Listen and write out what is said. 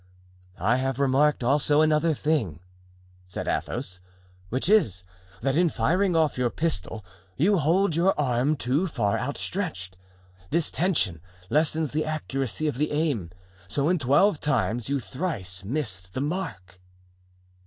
"I have remarked also another thing," said Athos, "which is, that in firing off your pistol you hold your arm too far outstretched. This tension lessens the accuracy of the aim. So in twelve times you thrice missed the mark."